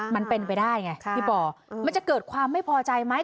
มันเป็นไปได้ไงพี่ปอมันจะเกิดความไม่พอใจไหม